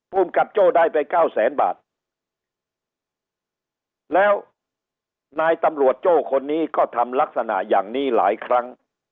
ภูมิกับโจ้ได้ไปเก้าแสนบาทแล้วนายตำรวจโจ้คนนี้ก็ทำลักษณะอย่างนี้หลายครั้ง